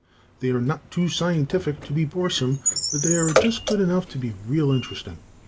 They are not too scientific to be boresome, but they are just good enough to be real interesting.